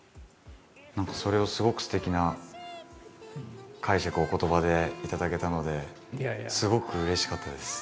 何かそれをすごくすてきな解釈をお言葉で頂けたのですごくうれしかったです。